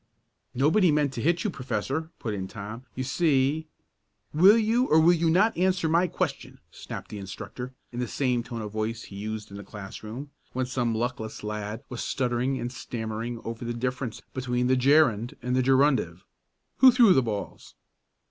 "Nobody meant to hit you, Professor," put in Tom. "You see " "Will you or will you not answer my question?" snapped the instructor, in the same tone of voice he used in the classroom, when some luckless lad was stuttering and stammering over the difference between the gerund and the gerundive. "Who threw the balls?"